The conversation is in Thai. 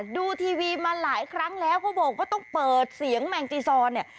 ดูทีวีมาหลายครั้งแล้วเขาบอกว่าต้องเปิดเสียงแมงจีซอนเนี่ย